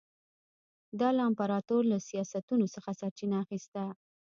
دا له امپراتور له سیاستونو څخه سرچینه اخیسته.